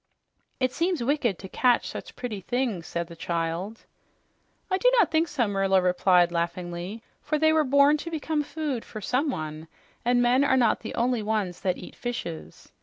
"It seems wicked to catch such pretty things," said the child. "I do not think so," Merla replied laughingly, "for they were born to become food for someone, and men are not the only ones that eat fishes.